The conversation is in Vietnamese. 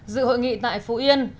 dự hội nghị tại phú yên